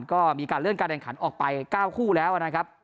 ก็มีการเลื่อนการแข่งขันออกไป๙คู่แล้วนะครับ